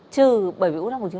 trừ bởi vì u nang bùng trứng